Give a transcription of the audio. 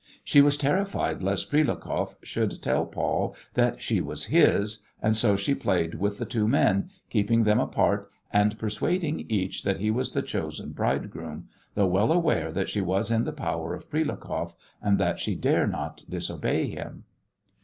She was terrified lest Prilukoff should tell Paul that she was his, and so she played with the two men, keeping them apart and persuading each that he was the chosen bridegroom, though well aware that she was in the power of Prilukoff and that she dare not disobey him.